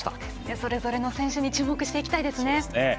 それぞれの選手に注目していきたいですね。